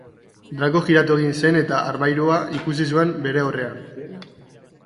Draco jiratu egin zen eta armairua ikusi zuen bere aurrean.